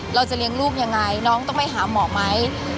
เราจะเลี้ยงลูกยังไงน้องต้องไปหาหมอไหม